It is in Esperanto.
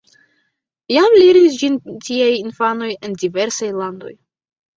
Jam lernis ĝin tiaj infanoj en diversaj landoj.